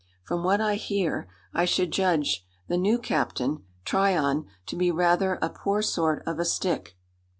From what I hear, I should judge the new captain Tryon to be rather a poor sort of a stick."